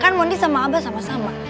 kan mondi sama abah sama sama